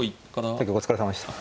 対局お疲れさまでした。